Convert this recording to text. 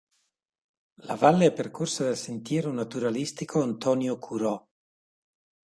La valle è percorsa dal Sentiero Naturalistico Antonio Curò.